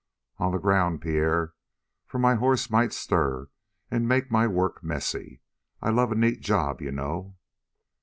"On the ground, Pierre, for my horse might stir and make my work messy. I love a neat job, you know."